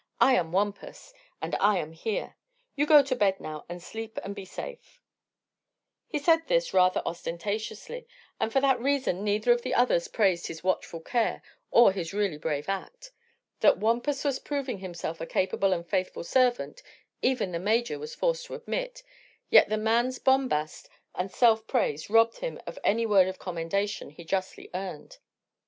I am Wampus, an' I am here. You go to bed now, an' sleep an' be safe." He said this rather ostentatiously, and for that reason neither of the others praised his watchful care or his really brave act. That Wampus was proving himself a capable and faithful servant even the Major was forced to admit, yet the man's bombast and self praise robbed him of any word of commendation he justly earned.